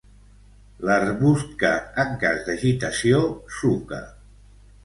L'arbust que, en cas d'agitació, suca.